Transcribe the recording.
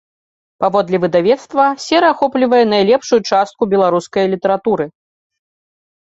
Паводле выдавецтва, серыя ахоплівае найлепшую частку беларускай літаратуры.